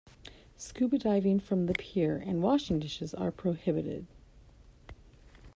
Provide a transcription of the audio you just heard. Scuba diving from the pier and washing dishes are prohibited.